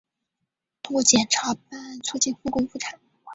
通过检察办案促进复工复产